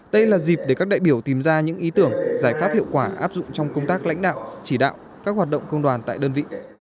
đây là dịp để các đại biểu tìm ra những ý tưởng giải pháp hiệu quả áp dụng trong công tác lãnh đạo chỉ đạo các hoạt động công đoàn tại đơn vị